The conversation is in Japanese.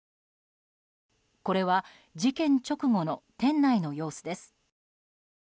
これは事件直後の店内の様子です。